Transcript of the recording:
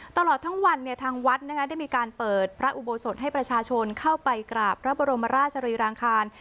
ตลอดทั้งวันทางวัดได้มีการเปิดพระอุโบสถให้ประชาชนเข้าไปกราบพระบรมราชรีรางคาร